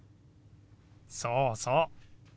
そうそう。